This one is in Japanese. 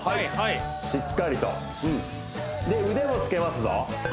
しっかりとで腕もつけますぞ